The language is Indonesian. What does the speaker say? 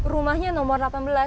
rumahnya nomor delapan belas